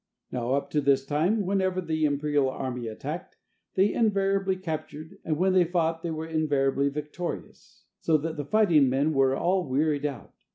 Now up to this time, whenever the imperial army attacked, they invariably captured, and when they fought they were invariably victorious, so that the fighting men were all wearied out.